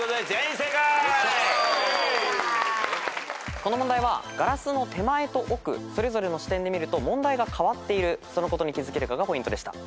この問題はガラスの手前と奥それぞれの視点で見ると問題がかわっているそのことに気付けるかがポイントでした。